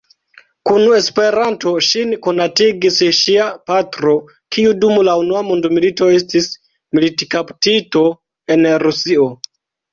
Kun Esperanto ŝin konatigis ŝia patro, kiu dum Unua mondmilito estis militkaptito en Rusio.